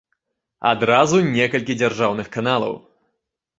Адразу некалькі дзяржаўных каналаў.